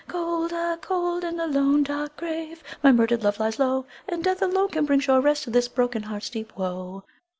Cold, ah, cold, in the lone, dark grave, My murdered love lies low, And death alone can bring sure rest To this broken heart's deep woe.